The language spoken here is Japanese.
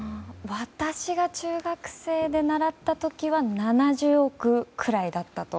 私が中学生で習った時には７０億人ぐらいだったと。